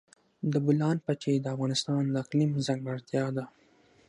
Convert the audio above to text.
د بولان پټي د افغانستان د اقلیم ځانګړتیا ده.